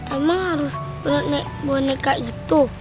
emang harus penuh boneka itu